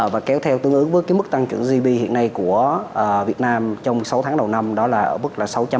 và kéo theo tương ứng với mức tăng trưởng gdp hiện nay của việt nam trong sáu tháng đầu năm đó là mức sáu bốn mươi hai